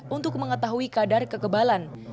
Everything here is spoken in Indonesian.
untuk mengetahui kadar kekebalan